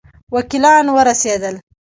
وکیلان ورسېدل.